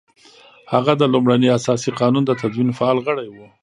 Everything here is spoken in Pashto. هغه د لومړني اساسي قانون د تدوین فعال غړی وو.